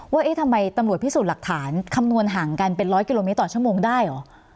ว่าเอ๊ะทำไมตำรวจพิสูจน์หลักฐานคำนวณห่างกันเป็นร้อยกิโลเมตรต่อชั่วโมงได้เหรอ